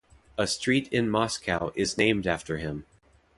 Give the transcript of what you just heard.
A street in Moscow is named after him.